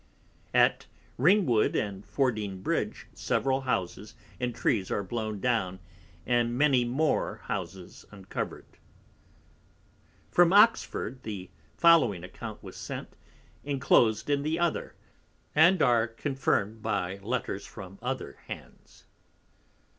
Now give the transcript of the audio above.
At Ringwood and Fording Bridge, several Houses and Trees are blown down, and many more Houses uncovered. From Oxford the following Account was sent, enclosed in the other, and are confirm'd by Letters from other Hands.